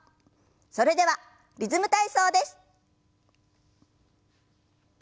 それでは「リズム体操」です。